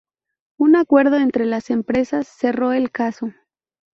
Un acuerdo entre las empresas cerro el caso.